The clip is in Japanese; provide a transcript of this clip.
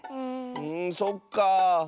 んそっかあ。